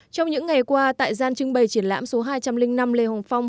trong những ngày qua tại gian trưng bày triển lãm số hai trăm linh năm lê hồng phong